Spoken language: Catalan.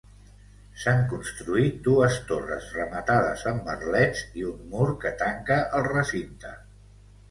S'han construït dues torres rematades amb merlets i un mur que tanca el recinte.